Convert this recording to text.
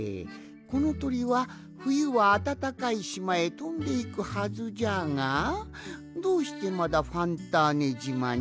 このとりはふゆはあたたかいしまへとんでいくはずじゃがどうしてまだファンターネじまに？